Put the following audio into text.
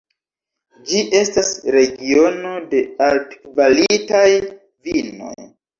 Ĝi estas regiono de altkvalitaj vinoj.